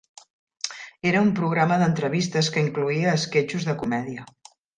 Era un programa d'entrevistes que incloïa esquetxos de comèdia.